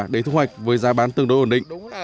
để thu hoạch với giá bán tương đối ổn định